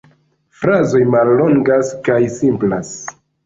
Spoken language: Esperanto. Frazoj mallongas kaj simplas.